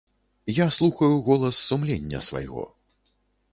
Я слухаю голас сумлення свайго.